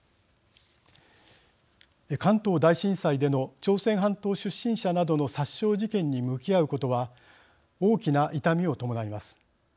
関東大震災での朝鮮半島出身者などの殺傷事件に向き合うことは大きな痛みを伴います。